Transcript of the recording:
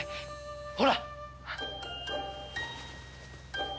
ほら！